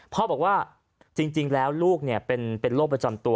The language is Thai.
พ่อบอกว่าจริงแล้วลูกเป็นโรคประจำตัว